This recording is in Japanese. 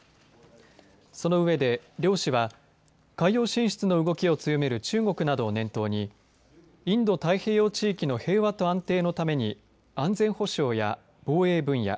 その上で、両氏は海洋進出の動きを強める中国などを念頭にインド太平洋地域の平和と安定のために安全保障や防衛分野